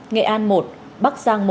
nghệ an một bắc giang một